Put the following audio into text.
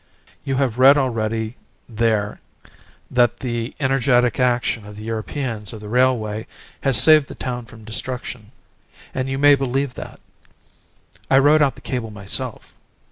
You have read already there that the energetic action of the Europeans of the railway has saved the town from destruction, and you may believe that. I wrote out the cable myself.